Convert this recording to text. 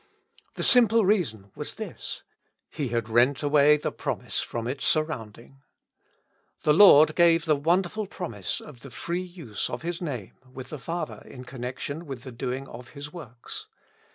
The simple reason was this : he had rent away the promise from its surround ing. The Lord gave the wonderful promise of the free use of His Name with the Father in connection with the doi)ig of His works.